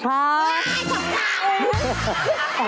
ใช่ของคะ